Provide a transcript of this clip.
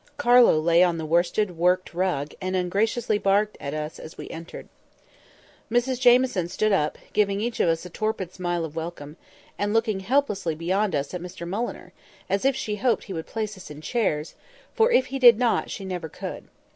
Carlo lay on the worsted worked rug, and ungraciously barked at us as we entered. Mrs Jamieson stood up, giving us each a torpid smile of welcome, and looking helplessly beyond us at Mr Mulliner, as if she hoped he would place us in chairs, for, if he did not, she never could.